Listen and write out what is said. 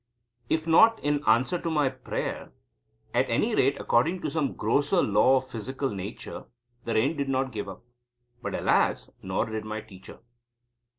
If not in answer to my prayer, at any rate according to some grosser law of physical nature, the rain did not give up. But, alas! nor did my teacher.